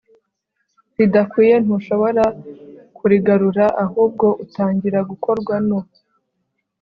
ridakwiye ntushobora kurigarura ahubwo utangira kugorwa no